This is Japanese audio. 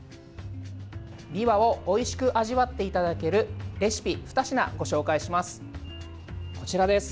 びわをおいしく味わっていただけるレシピ２品ご紹介します。